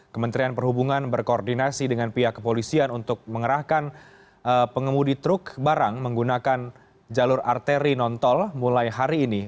kementerian perhubungan berkoordinasi dengan pihak kepolisian untuk mengerahkan pengemudi truk barang menggunakan jalur arteri non tol mulai hari ini